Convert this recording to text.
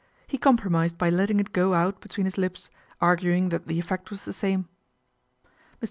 He compromised by letting it go out between his lips, arguing that the effect was the same. Mr.